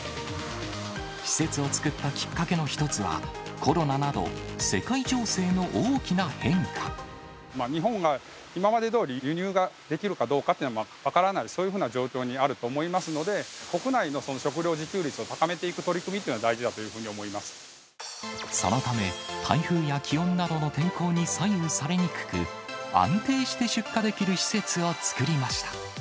施設を作ったきっかけの一つは、コロナなど、世界情勢の大きな変日本が今までどおり、輸入ができるかどうかっていうのは分からない、そういうふうな状況にあると思いますので、国内の食料自給率を高めていく取り組みっていうのが大事だというそのため、台風や気温などの天候に左右されにくく、安定して出荷できる施設を作りました。